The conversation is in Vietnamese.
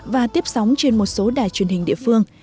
và tiếp sóng trên một số đài truyền hình địa phương